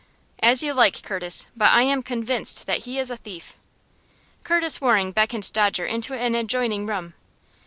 "As you like, Curtis; but I am convinced that he is a thief." Curtis Waring beckoned Dodger into an adjoining room.